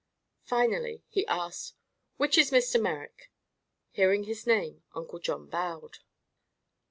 Finally he asked: "Which is Mr. Merrick?" Hearing his name, Uncle John bowed.